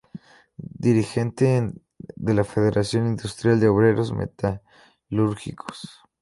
Dirigente de la Federación Industrial de Obreros Metalúrgicos.